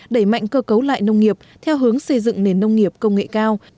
đẩy mạnh cơ cấu lại nông nghiệp theo hướng xây dựng nền nông nghiệp công nghệ cao